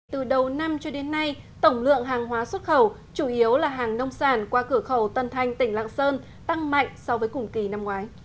từ đầu năm cho đến nay tổng lượng hàng hóa xuất khẩu chủ yếu là hàng nông sản qua cửa khẩu tân thanh tỉnh lạng sơn tăng mạnh so với cùng kỳ năm ngoái